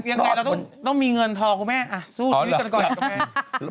ยังไงเราต้องมีเงินทองคุณแม่สู้ชีวิตกันก่อนคุณแม่